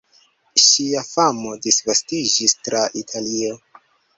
Ŝia famo disvastiĝis tra Italio.